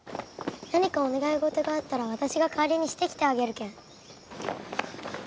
何かお願い事があったら私が代わりにしてきてあげるけん。